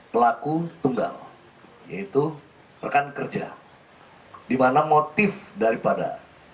pelaku tunggal yaitu rekan kerja dibana motif daripada